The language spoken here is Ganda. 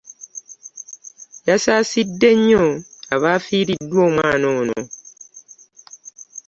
Yasaasidde nnyo abaafiiriddwa omwana ono.